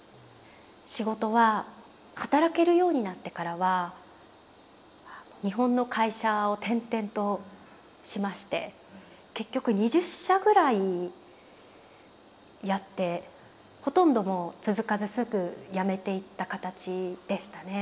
仕事は働けるようになってからは日本の会社を転々としまして結局２０社ぐらいやってほとんどもう続かずすぐやめていった形でしたね。